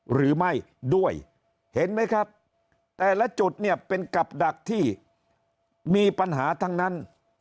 หรือไม่ด้วยเห็นไหมครับแต่ละจุดเนี่ยเป็นกับดักที่มีปัญหาทั้งนั้น